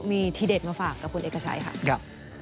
มีทีเด็ดมาฝากกับคุณเอกชัยค่ะ